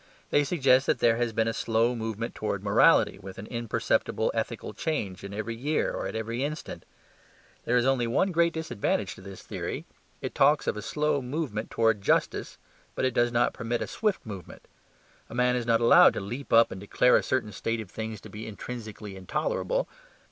They suggest that there has been a slow movement towards morality, with an imperceptible ethical change in every year or at every instant. There is only one great disadvantage in this theory. It talks of a slow movement towards justice; but it does not permit a swift movement. A man is not allowed to leap up and declare a certain state of things to be intrinsically intolerable.